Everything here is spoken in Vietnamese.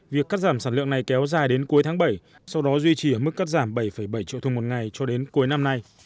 việc cắt giảm sản lượng này kéo dài đến cuối tháng bảy sau đó duy trì ở mức cắt giảm bảy bảy triệu thùng một ngày cho đến cuối năm nay